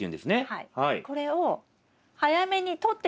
はい。